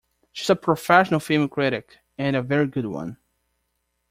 She's a professional film critic, and a very good one.